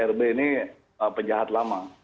rb ini penjahat lama